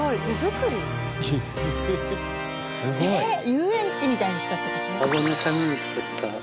遊園地みたいにしたって事？